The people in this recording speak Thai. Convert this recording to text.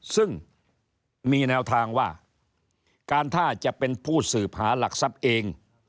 ซึ่งมีแนวทางว่าการถ้าจะเป็นผู้สืบหาหลักทรัพย์เอง